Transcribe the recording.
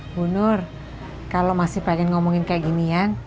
bunur kalau masih pengen ngomongin kayak ginian